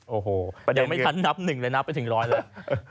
โอ้โหยังไม่ทันนับหนึ่งเลยนะไปถึงร้อยแล้ว